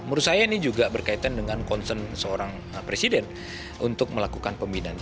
menurut saya ini juga berkaitan dengan concern seorang presiden untuk melakukan pembinaan